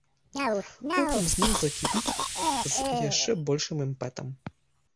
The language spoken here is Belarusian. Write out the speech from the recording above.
Потым зноў закіпіць з яшчэ большым імпэтам.